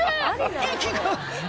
息が」